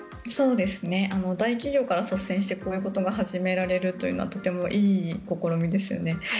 大企業から率先してこういうことが始められるというのはとてもいい試みですよね。